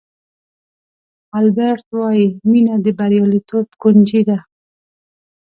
البرټ وایي مینه د بریالیتوب کونجي ده.